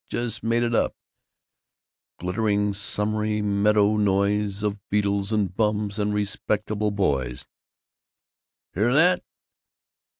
Just made it up: Glittering summery meadowy noise Of beetles and bums and respectable boys. Hear that?